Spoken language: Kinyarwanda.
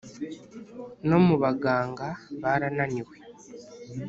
No mu baganga barananiwe